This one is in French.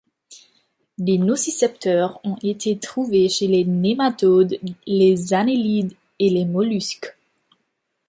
Des nocicepteurs ont été trouvés chez les nématodes, les annélides et les mollusques.